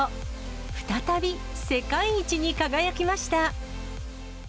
再び世界一に輝きました。